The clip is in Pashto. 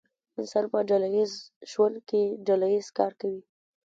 انسان په خپل ژوند کې ډله ایز کار کوي.